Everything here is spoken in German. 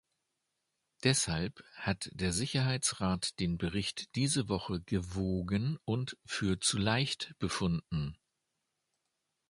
Deshalb hat der Sicherheitsrat den Bericht diese Woche gewogen und für zu leicht befunden.